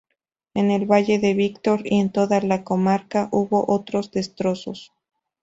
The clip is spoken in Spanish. En el valle de Vítor y en toda la comarca hubo otros destrozos.